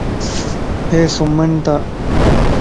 اي سمين متان